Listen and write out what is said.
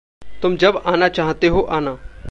तुम जब आना चाह्ते हो आना।